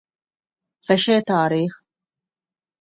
ފެށޭ ތާރީޚު